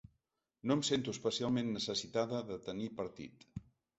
No em sento especialment necessitada de tenir partit.